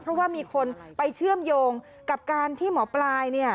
เพราะว่ามีคนไปเชื่อมโยงกับการที่หมอปลายเนี่ย